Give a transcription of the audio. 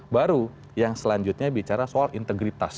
baru yang selanjutnya bicara soal integritas